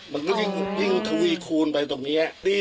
มันก็ยิ่งทวีคูณไปตรงนี้